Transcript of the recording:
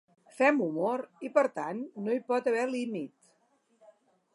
Fem humor i, per tant, no hi pot haver límit.